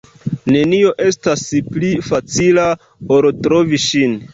Nenio estas pli facila, ol trovi ŝin.